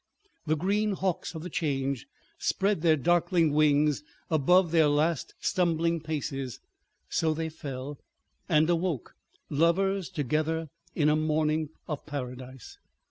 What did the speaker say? The green hawks of the Change spread their darkling wings above their last stumbling paces. So they fell. And awoke—lovers together in a morning of Paradise.